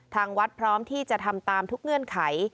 ทางวัดพร้อมที่จะทำตามทุกเงื่อนไข